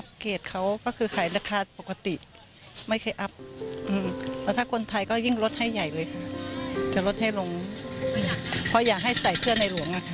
เพราะอยากให้ใส่เพื่อนในหลวงอะค่ะ